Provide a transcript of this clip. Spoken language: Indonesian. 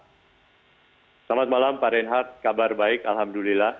selamat malam pak reinhardt kabar baik alhamdulillah